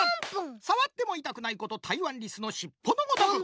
さわってもいたくないことたいわんリスのしっぽのごとく。